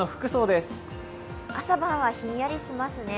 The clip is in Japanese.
朝晩はひんやりしますね。